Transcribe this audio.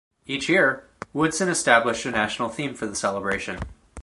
Each year, Woodson established a national theme for the celebration.